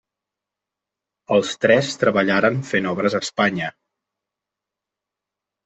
Els tres treballaren fent obres a Espanya.